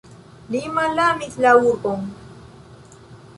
Li malamis la urbon.